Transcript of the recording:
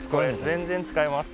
全然使えます。